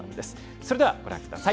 それではご覧ください。